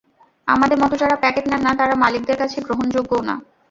আমাদের মতো যাঁরা প্যাকেট নেন না, তাঁরা মালিকদের কাছে গ্রহণযোগ্যও না।